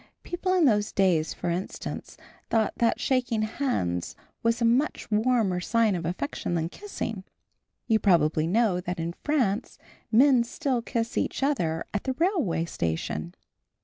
People in those days, for instance, thought that shaking hands was a much warmer sign of affection than kissing. You probably know that in France men still kiss each other at the railway station.